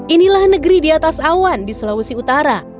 inilah negeri di atas awan di sulawesi utara